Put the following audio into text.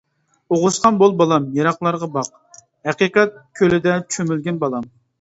ئوغۇزخان بول بالام يىراقلارغا باق، ھەقىقەت كۆلىدە چۆمۈلگىن بالام.